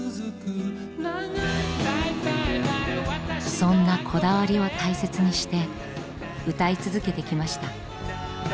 そんなこだわりを大切にして歌い続けてきました。